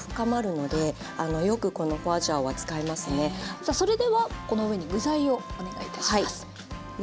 さあそれではこの上に具材をお願いいたします。